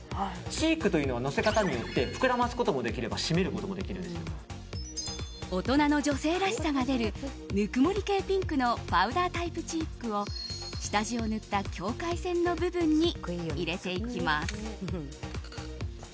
チークというのはのせ方によって膨らますこともできれば大人の女性らしさが出る温もり系ピンクのパウダータイプチークを下地を塗った境界線の部分に入れていきます。